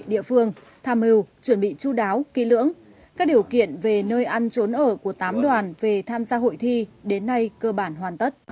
địa phương tham mưu chuẩn bị chú đáo kỹ lưỡng các điều kiện về nơi ăn trốn ở của tám đoàn về tham gia hội thi đến nay cơ bản hoàn tất